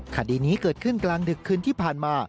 คดีนี้เกิดขึ้นกลางดึกคืนที่ผ่านมา